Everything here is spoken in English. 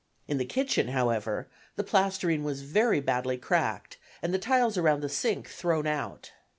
In the kitchen, however, the plastering was very badly cracked and the tiles around the sink thrown out.